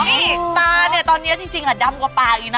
นี่ตาเนี่ยตอนนี้จริงดำกว่าปากอีกนะ